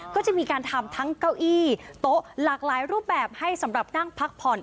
ก็จะมีการทำทั้งเก้าอี้โต๊ะหลากหลายรูปแบบให้สำหรับนั่งพักผ่อน